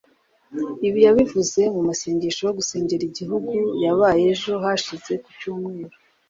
Ibi yabivugiye mu masengesho yo gusengera igihugu yabaye ejo hashize ku Cyumweru